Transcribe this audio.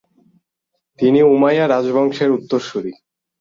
তিনি উমাইয়া রাজবংশের উত্তরসূরী।